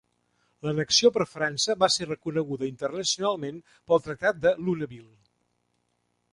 L'annexió per França va ser reconeguda internacionalment pel Tractat de Lunéville.